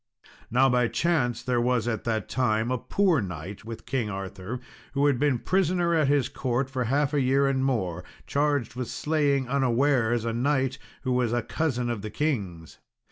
Now by chance there was at that time a poor knight with King Arthur, who had been prisoner at his court for half a year and more, charged with slaying unawares a knight who was a cousin of the king's.